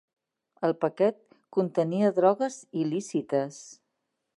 El paquet contenia drogues il·lícites